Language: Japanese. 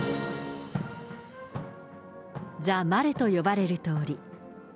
ザ・マルと呼ばれる通り。